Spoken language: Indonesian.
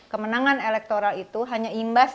kemenangan elektoral itu hanya imbas